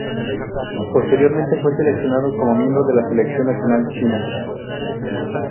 Posteriormente fue seleccionado como miembro de la selección nacional china.